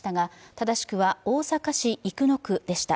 正しくは大阪市生野区でした。